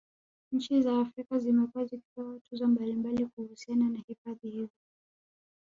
Nchi za Afrika Zimekuwa zikipewa tuzo mbalimbali kuhusiana na hifadhi hizo